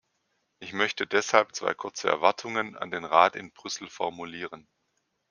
Ich möchte deshalb zwei kurze Erwartungen an den Rat in Brüssel formulieren.